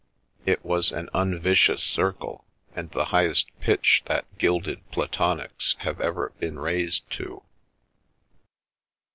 It was an unvicious circle, and the highest pitch that gilded platonics have ever been raised to."